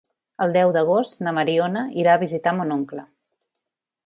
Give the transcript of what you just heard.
El deu d'agost na Mariona irà a visitar mon oncle.